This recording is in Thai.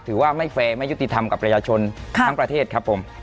ถือว่าไม่แฟร์ไม่ยุติธรรมกับประชาชนทั้งประเทศครับผม